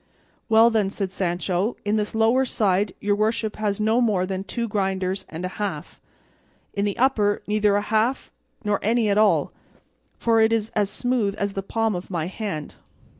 "Well, then," said Sancho, "in this lower side your worship has no more than two grinders and a half, and in the upper neither a half nor any at all, for it is all as smooth as the palm of my hand."